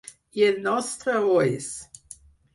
I el nostre ho és.